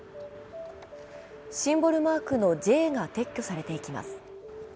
シンボルマークの「Ｊ」が撤去されていきます。